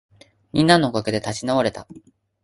みんなのおかげで立ち直れた